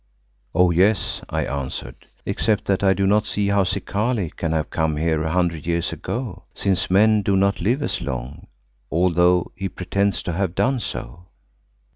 "Oh! yes," I answered, "except that I do not see how Zikali can have come here a hundred years ago, since men do not live as long, although he pretends to have done so."